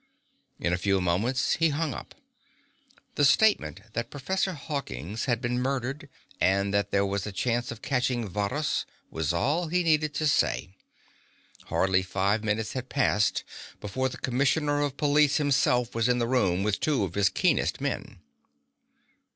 In a few moments he hung up again. The statement that Professor Hawkins had been murdered and that there was a chance of catching Varrhus was all he needed to say. Hardly five minutes had passed before the commissioner of police himself was in the room with two of his keenest men.